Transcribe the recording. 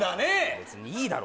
別にいいだろ。